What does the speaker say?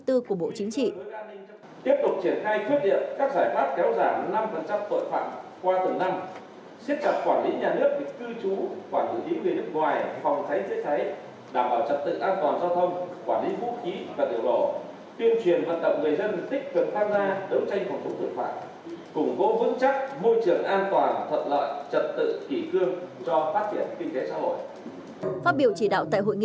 tiếp tục triển khai quyết định các giải pháp kéo giảm năm tội phạm qua từng năm